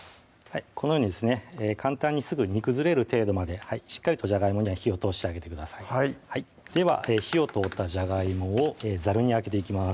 このようにですね簡単にすぐ煮崩れる程度までしっかりとじゃがいもには火を通してあげてくださいでは火を通ったじゃがいもをざるにあげていきます